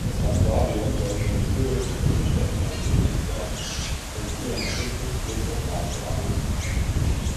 Das Aquarium sollte mit Höhlen und Unterständen eingerichtet sein, um ihr natürliches Biotop nachzuahmen.